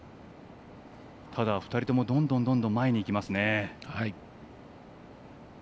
ただ、２人ともどんどん前にいきますね。